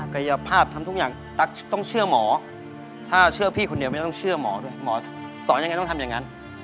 กายภาพทำทุกอย่างตั๊กต้องเชื่อหมอถ้าเชื่อพี่คนเดียวไม่ต้องเชื่อหมอด้วยหมอสอนยังไงต้องทำอย่างนั้น